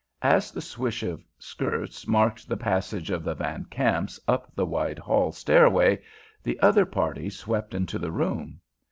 As the swish of skirts marked the passage of the Van Kamps up the wide hall stairway, the other party swept into the room.